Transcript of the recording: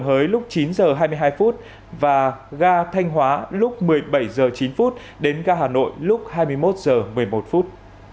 hới lúc chín giờ hai mươi hai phút và gà thanh hóa lúc một mươi bảy giờ chín phút đến gà hà nội lúc hai mươi một giờ một mươi một phút